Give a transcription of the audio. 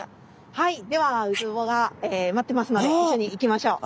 はいではウツボが待ってますので一緒に行きましょう。